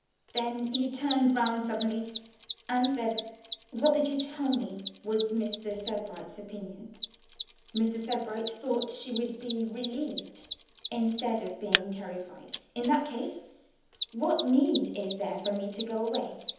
Then he turned round suddenly and said 'What did you tell me was Mr. Sebright's opinion? Mr. Sebright thought she would be relieved instead of being terrified. In that case, what need is there for me to go away?